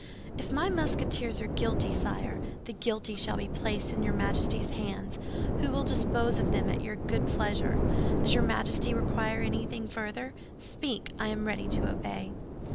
"If my Musketeers are guilty, sire, the guilty shall be placed in your Majesty's hands, who will dispose of them at your good pleasure. Does your Majesty require anything further? Speak, I am ready to obey."